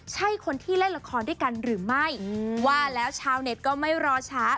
ใช่คนที่เล่นละครด้วยกันหรือไม่ว่าแล้วชาวเน็ตก็ไม่รอช้า